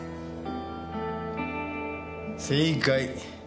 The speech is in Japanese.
正解。